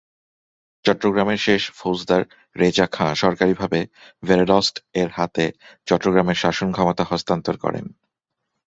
চট্টগ্রামের শেষ ফৌজদার রেজা খাঁ সরকারীভাবে ভেরেলস্ট-এর হাতে চট্টগ্রামের শাসন ক্ষমতা হস্তান্তর করেন।